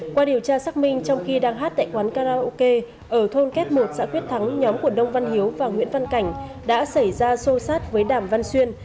qua điều tra xác minh trong khi đang hát tại quán karaoke ở thôn kép một xã quyết tháng nhóm của nông văn hiếu và nguyễn văn cảnh đã xảy ra sô sát với đàm văn xuyên